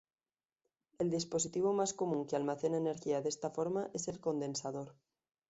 El dispositivo más común que almacena energía de esta forma es el condensador.